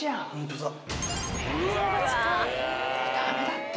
これダメだって。